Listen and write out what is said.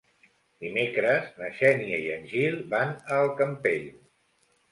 Dimecres na Xènia i en Gil van al Campello.